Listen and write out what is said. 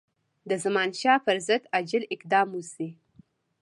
د زمانشاه پر ضد عاجل اقدام وشي.